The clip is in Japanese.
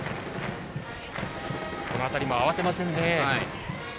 この辺りも慌てませんね。